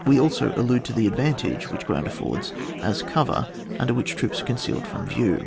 we also allude to the advantage which ground affords as cover, under which troops are concealed from view.